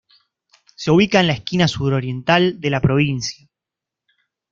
Se ubica en la esquina suroriental de la provincia.